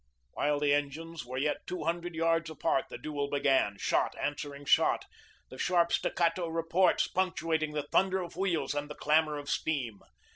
While the engines were yet two hundred yards apart, the duel began, shot answering shot, the sharp staccato reports punctuating the thunder of wheels and the clamour of steam.